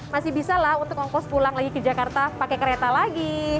masih bisa lah untuk ngongkos pulang lagi ke jakarta pakai kereta lagi